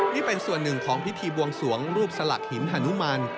นี่เป็นส่วนหนึ่งของพิธีบวงสวงรูปสลักหินฮานุมาน